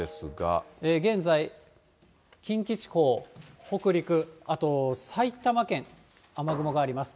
現在、近畿地方、北陸、あと埼玉県、雨雲があります。